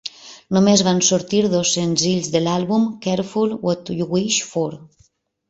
Només van sortir dos senzills de l'àlbum "Careful What You Wish For".